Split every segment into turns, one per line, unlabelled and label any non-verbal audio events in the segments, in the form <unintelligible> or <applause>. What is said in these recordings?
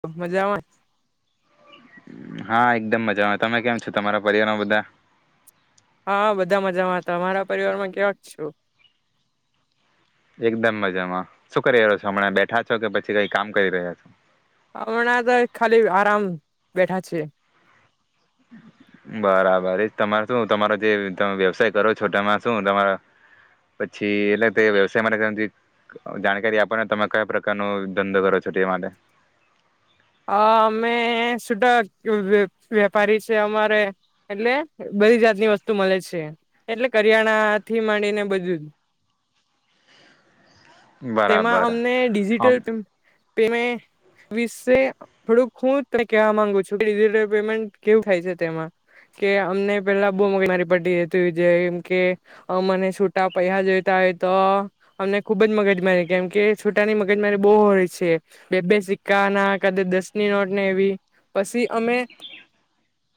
તો મજામાં?
હા એકદમ મજામાં. તમે કેમ છો? તમારા પરિવારમાં બધા
હા, હા બધા મજામાં. તમારા પરિવારમાં કેવાક છો?
એકદમ મજામાં. શું કરી રહ્યો છો હમણાં બેઠા છો કે પછી કઈ કામ કરી રહ્યા છો?
હમણાં તો ખાલી આરામ બેઠા છીએ.
બરાબર. એ તમારે શું તમારો જે તમે વ્યવસાય કરો છોટામાં શું તમારા પછી એટલે તે વ્યવસાય માટે <unintelligible> જાણકારી આપોને. તમે કયા પ્રકારનો ધંધો કરો છો તે માટે.
અહ અમે સુટક વ વે વેપારી છે. અમારે એટલે બધી જાતની વસ્તુ મલે છે, એટલે કરિયાણા થી માંડીને બધું જ. તેમાં
બરાબર
અમને
આમ
ડિજિટલ પેમે વિસે થોડુંક હું તને કેવા માંગુ છું કે ડિજટલ પેમેન્ટ કેવું થાય છે તેમાં, કે અમને પેલા બહુ મગજમારી પડતી હતી, જેમ કે મને છૂટા પૈહા જોઈતા હોય તો અમને ખુબ જ મગજમારી કેમકે છૂટાની મગજમારી બહુ હોય છે. બે-બે સિક્કા ના દ દસની નોટને એવી, પછી અમે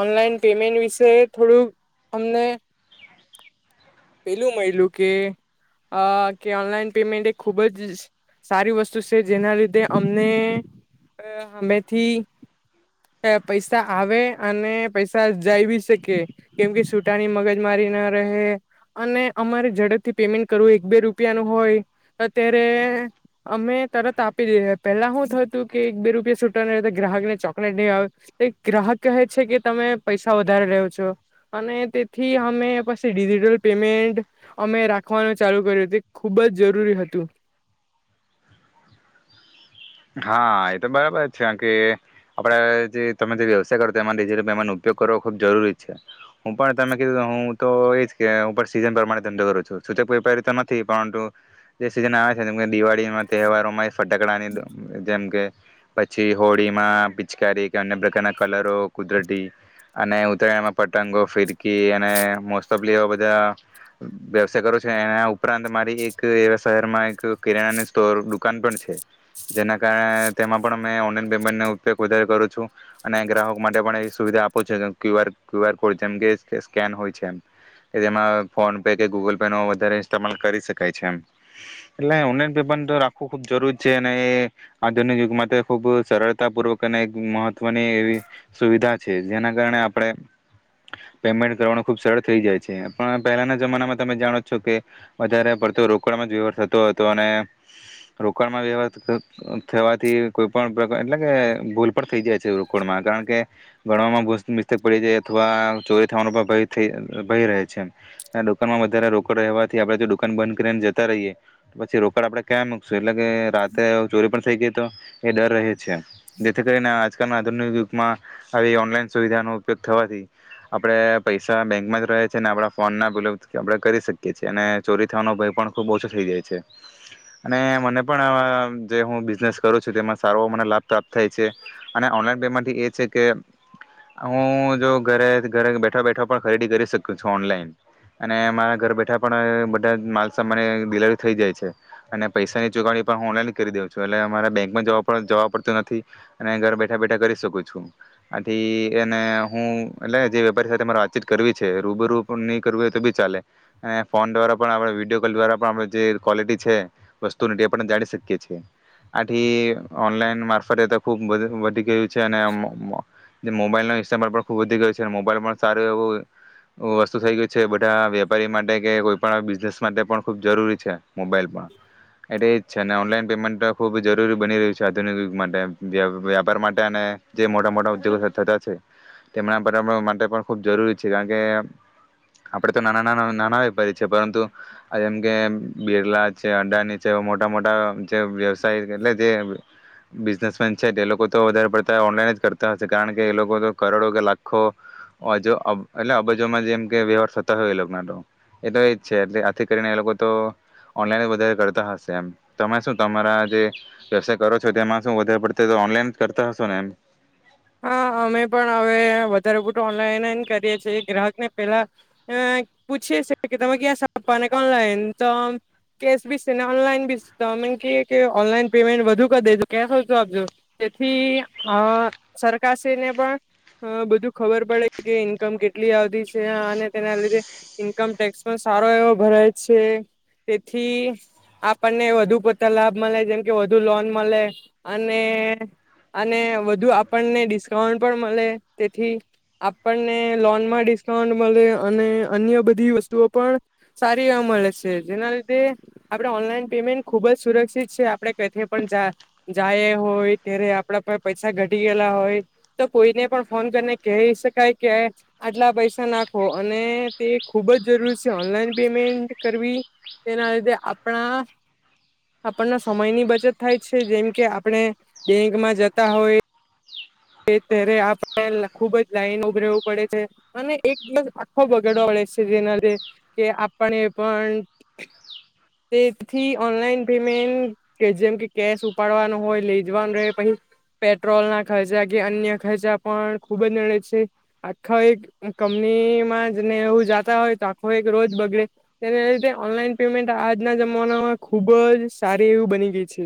ઓનલાઈન પેમેન્ટ વિશે થોડુંક અમને પેલું મલ્યું કે આ કે ઓનલાઈન પેમેન્ટ એ ખૂબ જ સ સારી વસ્તુ સે. જેના લીધે અમને હમેથી પ પૈસા આવે અને પૈસા જાઈવી શકે, કેમકે સુટાની મગજમારી ના રહે, અને અમારે ઝડપ થી પેમેન્ટ કરવું એક બે રૂપિયા નું હોય તો અત્યારે અમે તરત આપી દઈએ. પેલા હું થતું કે એક બે રૂપિયા છૂટા ન હોય તો ગ્રાહકને ચોકલેટ દેવા આવે, તે ગ્રાહક કહે છે કે તમે પૈસા વધારે લ્યો છો, અને તેથી અમે પછી ડિજિટલ પેમેન્ટ અમે રાખવાનું ચાલુ કર્યું. તે ખુબ જ જરૂરી હતું.
હા એ તો બરાબર છે. કારણ કે આપણા જે તમે જે વ્યવસાય કરો તો એમાં <unintelligible> ઉપયોગ કરવો ખૂબ જરૂરી છે. હું પણ તમે કીધું હું તો એજ કે હું પણ સીઝન પ્રમાણે ધંધો કરું છું. તે <unintelligible> નથી પરંતુ જે સીઝન આવે છે જેમ કે દિવાળીમાં તહેવારોમાં એ ફટાકડાની જેમ કે પછી હોળીમાં પિચકારી, કે અન્ય પ્રકારના કલરો કુદરતી, અને ઉતરાયણમાં પતંગો, ફિરકી અને મોસ્ટ ઓફલી આવા બધા વ્યવસાય કરું છું. એ એના ઉપરાંત મારી એક એવા શહેરમાં એક કિરાણાની સ્ટોર દુકાન પણ છે. જેના કારણે તેમાં પણ અમે ઓનલાઈન પેમેન્ટનો ઉપયોગ વધારે કરું છું અને ગ્રાહકો માટે પણ એ સુવિધા આપું છું. Q R, Q R code જેમ કે સ્કેન હોય છે એમ, કે જેમાં ફોન પે કે ગૂગલ પે નો વધારે ઇસ્તેમાલ કરી શકાય છે એમ. એટલે ઓનલાઈન પેમેન્ટ તો રાખવું ખૂબ જરૂરી છે અને એ આધુનિક યુગ માટે ખૂબ સરળતા પૂર્વક અને એક મહત્વની એવી સુવિધા છે, જેના કારણે આપણે પેમેન્ટ કરવાનું ખુબ સરળ થઈ જાય છે. પણ પહેલાના જમાનામાં તમે જાણો જષછો કે વધારે પડતો રોકડમાં જ વ્યવહાર થતો હતો અને રોકડમાં વ્યવહાર થતો થવાથી કોઈ પણ પ્રકાર એટલે કે ભૂલ પણ થઈ જાય છે રોકડમાં, કારણ કે ગણવામાં ભ મિસ્ટેક પડી જાય અથવા ચોરી થવાનો પણ ભય થય ભય રહે છે. ને દુકાનમાં વધારે રોકડ રહેવાથી આપડે જો દુકાન બંધ કરીને જતા રહીએ પછી રોકડ આપડે ક્યા મૂક એટલે કે રાતે પણ થઈ ગયો તો એ ડર રહે. છે. જેથી કરી ને આ આજકાલમાં- આધુનિક યુગમાં આવી ઓનલાઈન સુવિધાનો ઉપયોગ થવાથી આપણે પૈસા બેંકમાં જ રહે છે, અને આપડા ફોન ના <unintelligible> આપણે કરી શકીએ છીએ, અને ચોરી થવાનો ભય પણ ખૂબ ઓછો થઈ જાય છે, અને મને પણ આવા જે હું બિઝનેસ કરું છું, તેમાં સારો મને લાભ પ્રાપ્ત થાય છે, અને ઓનલાઈન પેમાથી એ છે કે હું જો ઘરે-ઘરે બેઠા-બેઠો પણ ખરીદી કરી શકું છું ઓનલાઈન. અને મારા ઘર બેઠા પણ બધા માલસામાને ડિલવરી થઈ જાય છે, અને પૈસાની ચુકવણી પણ હું ઓનલાઈન કરી દઉં છું, એટલે મારે બેંકમાં જવા પ જવા પડતું નથી, અને ઘરે બેઠા-બેઠા કરી શકું છું. આથી એને હું એટલે જે વેપારી સાથે મારે વાતચીત કરવી છે એ રૂબેરૂ પણ નહીં કરવું હોય તો બી ચાલે, અને ફોન દ્વારા પણ આપણે વિડીયો કોલ દ્વારા પણ આપણે જે ક્વોલિટી છે વસ્તુની તે પણ જાણી શકીએ છીએ. આથી ઓનલાઈન મારફતે તો ખૂબ બધું વધી ગયું. છેને અમ જે મોબાઈલના હિસાબે પણ ખૂબ વધી ગયું છે. મોબાઈલ પણ સારું એવું વસ્તુ થઈ ગયું છે. બધા વેપારી માટે કે કોઈ પણ બિઝનેસ માટે પણ ખૂબ જરૂરી છે. મોબાઈલ પણ, એટલે છે ને ઓનલાઇન પેમેન્ટ ખૂબ જરૂરી બની રહ્યું છે આધુનિક યુગ માટે. વ્ય વ્યાપાર માટે અને જે મોટા-મોટા ઉદ્યોગો થતા છે તેમના પણ માટે પણ ખૂબ જરૂરી છે. કારણ કે આપણે તો નાના ના નાના વેપારી છે પરંતુ જેમ કે બિરલા છે, અડાની છે એવું મોટા-મોટા જે વ્યવસાય એટલે જે બિઝનેસમેન છે તે લોકો તો વધારે પડતા ઓનલાઈન જ કરતા હશે, કારણ કે એ લોકો તો કરોડો કે લાખો અજ એટલે અબજોમાં જેમ કે વ્યવહાર થતા હોય એ લોક ના તો. એ તો એજ છે એટલે આથી કરીને એ લોકો તો ઓનલાઈન વધારે કરતા હશે એમ. તમે શું તમારા જે વ્યવસાય કરો છો તેમાં શું વધારે પડતો તો ઓનલાઈન કરતા હશો ને એમ?
હા અમે પણ હવે વધારે પડતું ઓનલાઈન જ કરીએ છીએ. ગ્રાહકને પેલા અહ પૂછીએ છે કે તમે ક્યાં <unintelligible> ઓનલાઈન તો કેશ બી છેને ઓનલાઈન બી છે. તો અમે એને કેયે ઓનલાઈન પેમેન્ટ વધુ કરી દેજ, કેશ હોય તો આપજો, તેથી અહ સરકારશ્રી ને પણ અહ બધું ખબર પડે કે ઈન્કમ કેટલી આવતી છે, અને તેના લીધે ઈન્કમ ટેક્સ પણ સારો એવો ભરાય છે. તેથી આપણને વધુ પડતા લાભ મલે, જેમ કે વધુ લોન મલે, અને અને વધુ આપ આપણને ડિસ્કાઉન્ટ પણ મલે. તેથી આપણને લોનમાં ડિસ્કાઉન્ટ મલે અને અન્ય બધી વસ્તુઓ પણ સારી એવા મલે સે. જેના લીધે આપણે ઓનલાઈન પેમેન્ટ ખુબ જ સુરક્ષિત છે. આપણે <unintelligible> પણ જા જાય હોય ત્યારે આપણા પર પૈસા ઘટ ગયેલા હોય, તો કોઈને પણ ફોન કરીને કહી શકાય કે આટલા પૈસા નાખો અને તે ખુબ જ જરૂરી સે. ઓનલાઈન પેમેન્ટ કરવી તેના લીધે આપણા આપણના સમયની બચત થાય છે. જેમ કે આપણે બેંકમાં જતા હોય એ ત્યારે આપણે ખુબ જ લાઈનમા ઉભું રહેવું પડે છે, અને એક દિવસ આખો બગાડવા પડે છે, જેના લીધે કે આપણે પણ તેથી ઓનલાઈન પેમેન્ટ કે જેમ કે કેશ ઉપાડવાનો હોય, લે જવાનું રહે, પછી પેટ્રોલ ના ખર્ચા કે અન્ય ખર્ચા પણ ખૂબ જ નડે છે. આખા એક કંપનીમાં જને એવું જાતા હોય તો આખો એક રોજ બગડે તેને લીધે ઓનલાઈન પેમેન્ટ આજના જમાનામાં ખુબ જ સારી એવી બની ગઈ છે.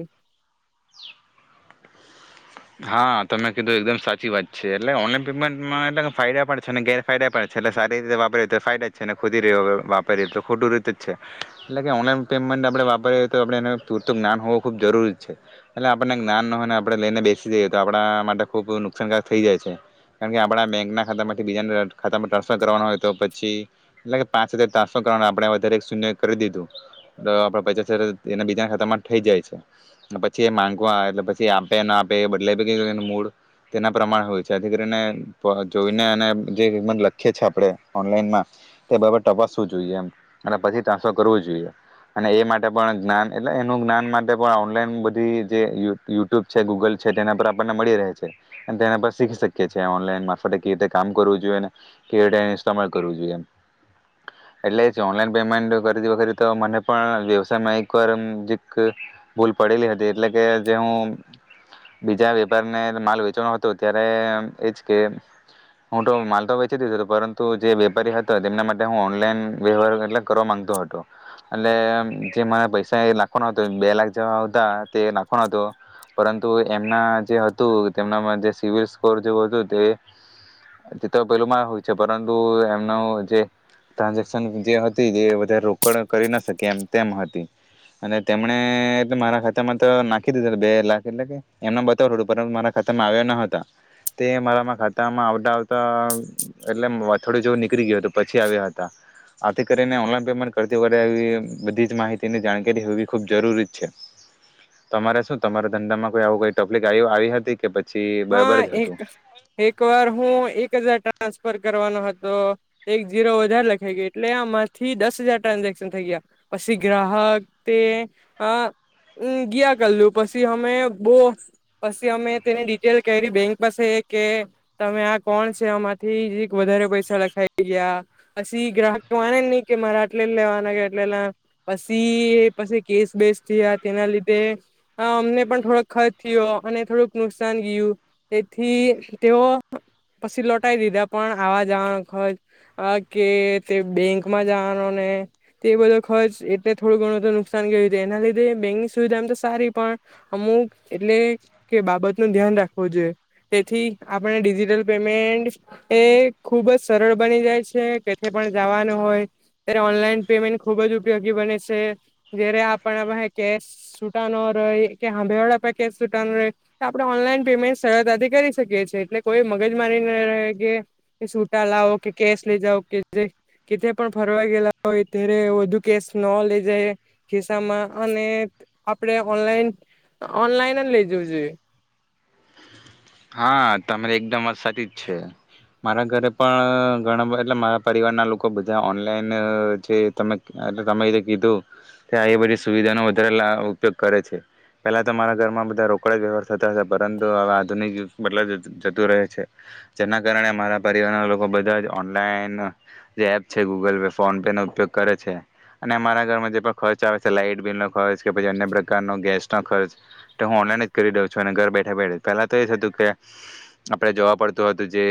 હા તમે કીધું એકદમ સાચી વાત છે. એટલે ઓનલાઈન પેમેન્ટમાં એટલે ફાયદા પણ છે અને ગેરાયદા પણ છે. એટલે સારી રીતે વાપરીએ તો ફાયદા જ છે ને ખુદી વાપરીએ તો ખોટું રીતે જ છે. એટલે કે ઓનલાઈન પેમેન્ટ આપણે વાપરીએ તો આપણે એને પૂરતું જ્ઞાન હોવું ખુબ જરૂરી જ છે. અને આપણને જ્ઞાન ન હોયને આપણે લઈને બેસી એ તો આપણા માટે ખુબ નુકસાનકાર થઇ જાય છે. કારણ કે આપણા બેંક ના ખાતામાંથી બીજાના ખાતામાં ટ્રાન્સફર કરવાના હોય તો પછી એટલે કે પાંચ હજાર ટ્રાન્સફર કરવા આપણે વધારે શૂન્ય કરી દીધું, તો આપણા પચાસ હજાર એના બીજાના ખાતામાં થઇ જાય છે, ને પછી એ માંગવા એટલે પછી આપે ન આ પે <unintelligible> તેના પ્રમાણે હોય છે જેથી કરીને જોઈને અને જે <unintelligible> લખીએ છે આપણે ઓનલાઈનમાં, તે બાબત તપાસવું જોઈએ એમ, અને પછી ટ્રાન્સફર કરવું જોઈએ, અને એ માટે પણ જ્ઞાન એટલે એનું જ્ઞાન માટે પણ ઓનલાઈન બધી જે યુટ યુટ્યુબ છે ગૂગલ છે તેના પર આપણને મળી રહે છે, અને તેના પર શીખી શકીએ છે ઓનલાઈન મારફતે કેવી રીતે કામ કરુંવું જોઈએ અને કેવી રીતે ઇસ્તેમાલ કરવું જોઈએ એમ. એટલે જે ઓનલાઈન પેમેન્ટ કરતી વખતે તો મને પણ વ્યવસાયમાં એક વાર <unintelligible> ભૂલ પડેલી હતી એટલે કે જે હું બીજા વેપારીને માલ વેચવાનો હતો ત્યારે એજ કે હું તો માલ તો વેચી દીધો હતો પરંતુ જે વેપારી હતો તેમના માટે હું ઓનલાઈન વ્યવહાર એટલે કરવા માંગતો હતો. એટલે જે મારા પૈસા એ નાખવાનો હતો એક બે લાખ જેવા હતા તે નાખવાનો હતો પર તુ એમના જે હતું તેમનામાં જે સિબિલ સ્કોર જેવું હતું તે તે તો પેલું મા હોય છે પરંતુ એમનું જે ટ્રાન્ઝેક્શન જે હતી એ વધારે રોકડ કરી ના શકી એમ તેમ હતી. અને તેમણે એ તો મારા ખાતામાં તો નાખી દીધું બે લાખ એટલે કે એમને બતાડું પણ મારા ખાતામાં આવ્યા ન હતા. તે મારા ખાતામાં આવતા તા એટલે વ થોડી <unintelligible> નીકળી ગયું તું. પછી આવ્યા હતા. આથી કરીને ઓનલાઈન પેમેન્ટ કરતી વખતે આવી બધી જ માહિતીની જાણકારી હોવી ખૂબ જરૂરી જ છે. તમારે શું તમારે ધંધામાં કોઈ આવું કોઈ તકલીફ આવી આવી હતી કે પ
હા એક-એક વાર હું એક હજાર ટ્રાન્સ ફર કરવાનો હતો. એક ઝીરો વધારે લખાઈ ગયો એટલે આમાંથી દસ હજાર ટ્રાન્ઝેક્શન થઈ ગયા, પછી ગ્રાહક તે અહ ગયા કરલું પછી અમે બોવ પછી અમે તેને <unintelligible> બેંક પાસે કે તમે આ કોણ છે, આમાંથી <unintelligible> વધારે પૈસા લખાઈ ગયા, પછી ગ્રાહક માને નહી કે મારે આટલે લેવાના કે આટલે ના, પસી પછી કેસ બેસ થયા તેના લીધે અમને અહ પણ થોડોક ખર્ચ થયો અને થોડુંક નુકસ સાન ગયું. તેથી તેઓ પછી લોટાઈ દીધા, પણ આવા જવાનો ખર્ચ, અહ કે તે બેંકમાં જવાનો ને તે બધો ખર્ચ એટલે થોડું ઘણું તો નુકસાન ગયું તો એના લીધે બેંકની સુવિધા એમ તો સારી પણ અમુક એટલે કે બાબત નું ધ્યાન રાખવું જોઈએ. તેથી આપણે ડિજિટલ પેમેન્ટ એ ખુબ જ સરળ બની જાય છે, કેથે પણ જવાનું હોય, ત્યારે ઓનલાઈન પેમેન્ટ ખુબ જ ઉપયોગી બને છે. જયારે આપણા પાહે કેશ છૂટા નો રહે કે હામેવાળા પાહે કેશ છૂટા ન રહે આપણે ઓનલાઈન પેમેન્ટ સરળતાથી કરી શકીએ છીએ, એટલે કોઈ મગજમારી ન રહે, કે સુટા લાવો કે કેશ લઇ જાવ કે જે કેથે પણ ફરવા ગયેલા હોય ત્યારે વધુ કેશ ન લઈ જાયએખિસ્સામાં અને આપણે ઓનલાઈન-ઓનલાઈન લે જવું જોઈએ.
હા તમારે એકદમ વાત સાચી જ છે. મારા ઘરે પણ ઘણા બધા એટલે મારા પરિવારના લોકો બધા ઓનલાઈન જે તમે એટલે તમે જે કીધું કે એ બધી સુવિધાનો વધારે લા ઉપયોગ કરે છે. પેલા તો મારા ઘરમાં બધા રોકડા વ્યવહાર થતા હતા પરંતુ હવે <unintelligible> જતું રહે છે. જેના કારણે મારા પરિવારના લોકો બધા જ ઓનલાઈન જે એપ છે ગૂગલ પે, ફોન પે, નો ઉપયોગ કરે છે, અને અમારા ઘરમાં જે પણ ખર્ચ આવે છે, લાઈટ બિલનો ખર્ચ, કે પછી અન્ય પ્રકારનો ગેસનો ખર્ચ, તો હું ઓનલાઈન જ કરી દઉં છું. અને ઘર બેઠા બેઠે તરત તો એ જ હતું કે આપડે જોવા પડતું હતું જે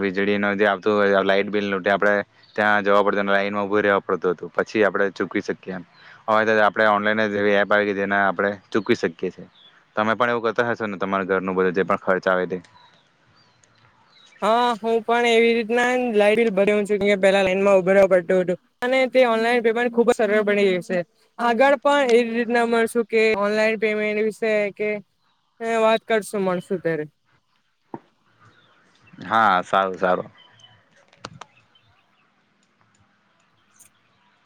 વીજળી નો જે આવતું હોય લાઈટ બિલ નું તે આપણે ત્યાં જવા પડતું, લાઈન માં ઉભી રહેવા પડતું હતું, પછી આપણે ચૂકવી શકીએ. હવે તો આપણે ઓનલાઈન જ નવી એપ આવી ગઈ જેને આપણે ચૂકવી શકીએ છીએ. તમે પણ એવું કરતા હશો ને તમાર ઘરનું બધું જે પણ ખર્ચ આવે તે?
હા હું પણ એવી રીતના લાઈટ બીલ ભર્યો છું કે પેલા લાઈનમાં ઉભ રહેવા પડતું હતું, અને તે ઓનલાઈન પેમેન્ટ ખુબ જ સરળ બની ગયું છે. આગળ પણ એવી રીતના મળશું કે ઓનલાઈન પેમેન્ટ વિશે કે વાત કરશું મળશું ત્યારે.
હા સારું-સારું.